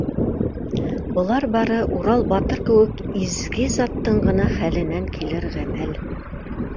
Былар бары Урал батыр кеүек изге заттың ғына хәленән килер ғәмәл.